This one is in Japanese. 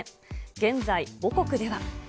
現在、母国では。